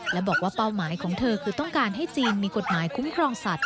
และบอกว่าเป้าหมายของเธอคือต้องการให้จีนมีกฎหมายคุ้มครองสัตว